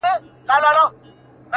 زه مسافر پر لاره ځم سلګۍ وهمه؛